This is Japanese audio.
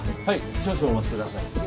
少々お待ちください。